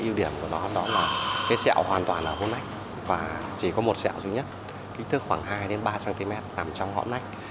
yêu điểm của nó là sẹo hoàn toàn ở hõm nách và chỉ có một sẹo duy nhất kích thước khoảng hai ba cm nằm trong hõm nách